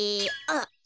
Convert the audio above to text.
あっ！